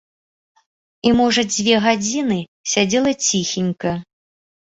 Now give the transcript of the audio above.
І, можа, дзве гадзіны сядзела ціхенька.